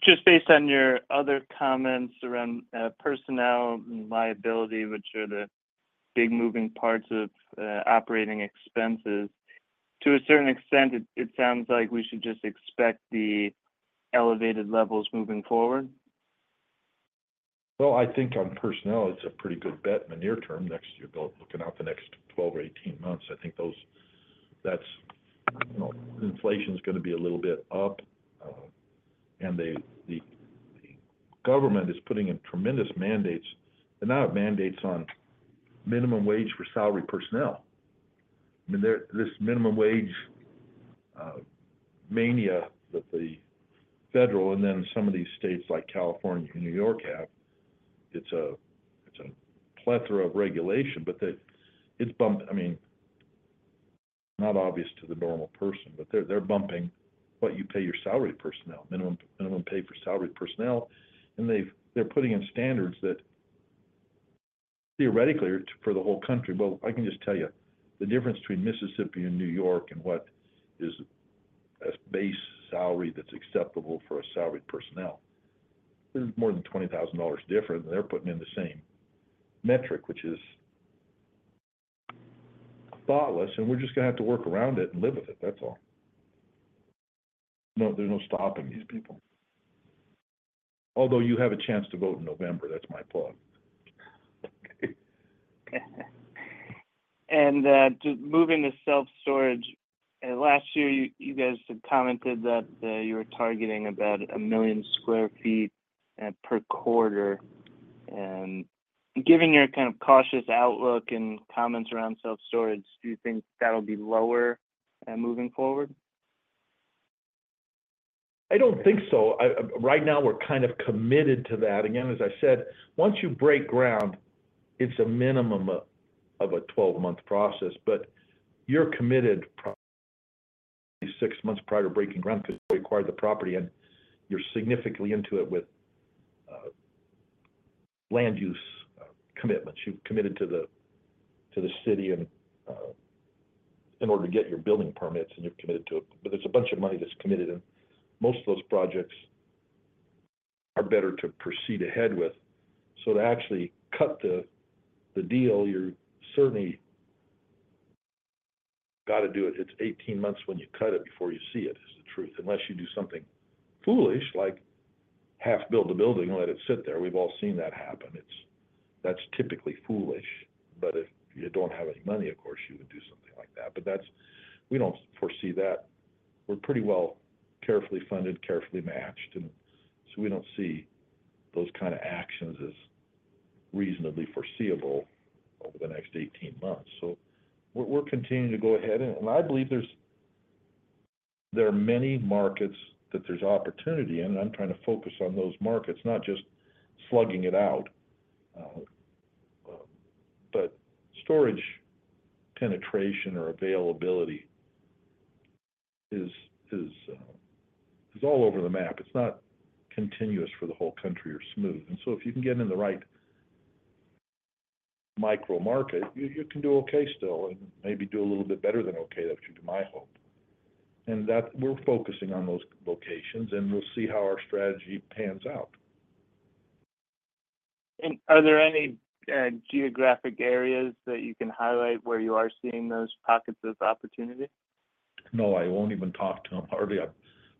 Just based on your other comments around personnel and liability, which are the big moving parts of operating expenses, to a certain extent, it sounds like we should just expect the elevated levels moving forward? Well, I think on personnel, it's a pretty good bet in the near term, next year, but looking out the next 12 or 18 months, I think those, that's, you know, inflation is gonna be a little bit up, and the government is putting in tremendous mandates, and now it mandates on minimum wage for salary personnel. I mean, there, this minimum wage mania that the federal and then some of these states like California and New York have, it's a, it's a plethora of regulation, but they're bumping, I mean, not obvious to the normal person, but they're, they're bumping what you pay your salaried personnel, minimum, minimum pay for salaried personnel. And they've, they're putting in standards that theoretically are for the whole country. But I can just tell you, the difference between Mississippi and New York and what is a base salary that's acceptable for a salaried personnel, there's more than $20,000 different, and they're putting in the same metric, which is thoughtless, and we're just gonna have to work around it and live with it, that's all. No, there's no stopping these people. Although you have a chance to vote in November, that's my plug. Just moving to self-storage, last year, you guys had commented that you were targeting about 1 million sq ft per quarter. Given your kind of cautious outlook and comments around self-storage, do you think that'll be lower moving forward? I don't think so. I right now, we're kind of committed to that. Again, as I said, once you break ground, it's a minimum of a 12-month process, but you're committed 6 months prior to breaking ground because you acquired the property, and you're significantly into it with land use commitments. You've committed to the city and in order to get your building permits, and you're committed to it. But there's a bunch of money that's committed, and most of those projects are better to proceed ahead with. So to actually cut the deal, you're certainly gotta do it. It's 18 months when you cut it before you see it, is the truth, unless you do something foolish, like half-build a building and let it sit there. We've all seen that happen. That's typically foolish, but if you don't have any money, of course, you would do something like that. But that's. We don't foresee that. We're pretty well carefully funded, carefully matched, and so we don't see those kind of actions as reasonably foreseeable over the next 18 months. So we're continuing to go ahead, and I believe there are many markets that there's opportunity in, and I'm trying to focus on those markets, not just slugging it out. But storage penetration or availability is all over the map. It's not continuous for the whole country or smooth. So if you can get in the right micro market, you can do okay still and maybe do a little bit better than okay. That's my hope. We're focusing on those locations, and we'll see how our strategy pans out. Are there any geographic areas that you can highlight where you are seeing those pockets of opportunity? No, I won't even talk to them, or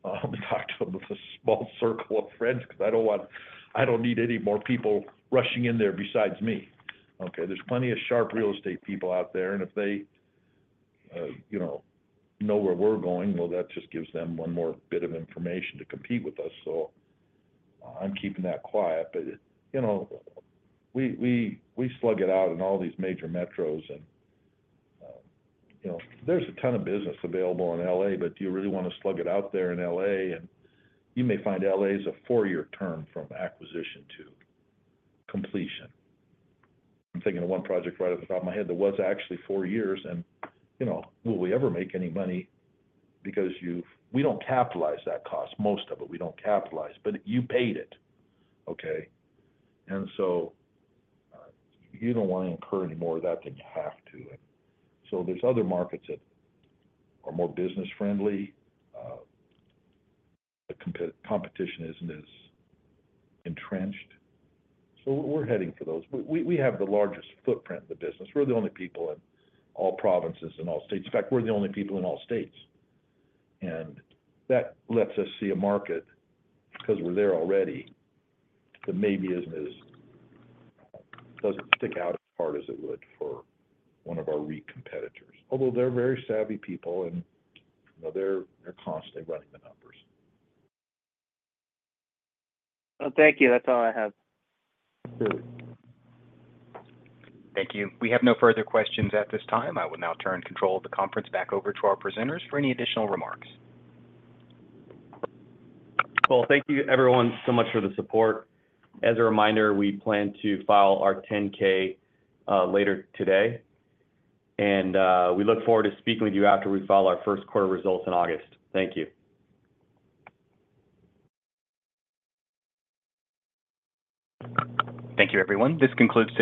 I only talk to them with a small circle of friends because I don't want, I don't need any more people rushing in there besides me, okay? There's plenty of sharp real estate people out there, and if they, you know, know where we're going, well, that just gives them one more bit of information to compete with us, so I'm keeping that quiet. But, you know, we slug it out in all these major metros and, you know, there's a ton of business available in L.A., but do you really want to slug it out there in L.A.? And you may find L.A. is a four-year term from acquisition to completion. I'm thinking of one project right off the top of my head that was actually 4 years and, you know, will we ever make any money? Because you—we don't capitalize that cost. Most of it, we don't capitalize, but you paid it, okay? And so, you don't want to incur any more of that than you have to. And so there's other markets that are more business-friendly, the competition isn't as entrenched, so we're heading for those. We have the largest footprint in the business. We're the only people in all provinces and all states. In fact, we're the only people in all states, and that lets us see a market because we're there already. That maybe isn't as, doesn't stick out as hard as it would for one of our REIT competitors. Although they're very savvy people, and you know, they're constantly running the numbers. Well, thank you. That's all I have. Sure. Thank you. We have no further questions at this time. I will now turn control of the conference back over to our presenters for any additional remarks. Well, thank you everyone so much for the support. As a reminder, we plan to file our 10-K later today, and we look forward to speaking with you after we file our first quarter results in August. Thank you. Thank you, everyone. This concludes today's.